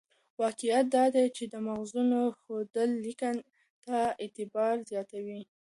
واقعیت دا دی چې د ماخذونو ښوول لیکنې ته اعتبار زیاتوي.